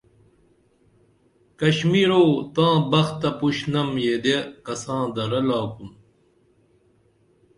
کشمیرو تاں بخ تہ پُشنم یدے کساں درہ لاکُن